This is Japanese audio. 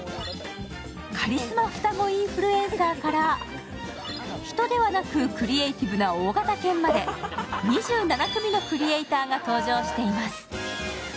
カリスマ双子インフルエンサーから、人ではなくクリエイティブな大型犬まで、２７組のクリエイターが登場しています。